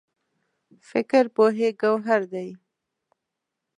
فکر پوهې ګوهر دی.